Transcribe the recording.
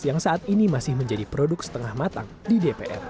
yang saat ini masih menjadi produk setengah matang di dpr